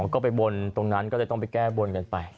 ก็ไปบนตรงนั้นก็เลยต้องไปแก้บนกันไป